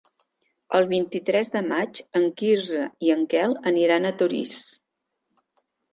El vint-i-tres de maig en Quirze i en Quel aniran a Torís.